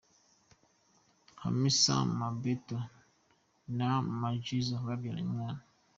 Hamisa Mobetto na Majizzo babyaranye umwana.